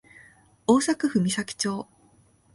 大阪府岬町